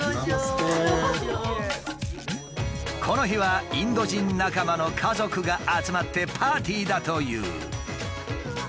この日はインド人仲間の家族が集まってパーティーだという。